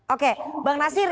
oke bang nasir